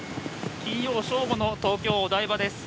金曜正午の東京・お台場です。